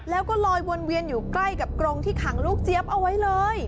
แล้วก็ลอยวนเวียนอยู่ใกล้กับกรงที่ขังลูกเจี๊ยบเอาไว้เลย